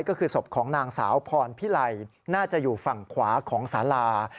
ก็คือศพของนางสาวพรพิไลน่าจะอยู่ฝั่งขวาของสารา